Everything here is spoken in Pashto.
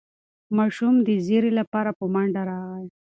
ماشوم د زېري لپاره په منډه راغی.